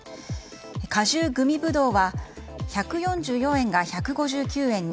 果汁グミぶどうは１４４円が１５９円に。